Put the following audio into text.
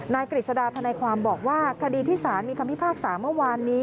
นายกฤษดาอินทรมาระทนายความบอกว่าคดีที่สารมีคำพิพากษาเมื่อวานนี้